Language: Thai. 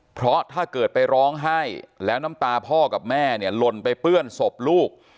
เพราะถ้าเกิดไปร้องไห้แล้วน้ำตาพ่อกับแม่เนี่ยหล่นไปเปื้อนศพลูก